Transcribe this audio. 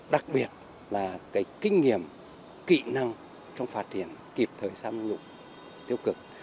đặc biệt là cái kinh nghiệm kỹ năng trong phát triển kịp thời tham nhũng